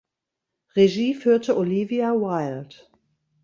Regie führte Olivia Wilde.